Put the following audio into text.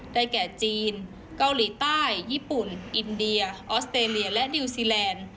แก่จีนเกาหลีใต้ญี่ปุ่นอินเดียออสเตรเลียและนิวซีแลนด์